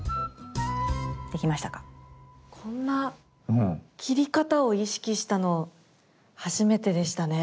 こんな切り方を意識したの初めてでしたね。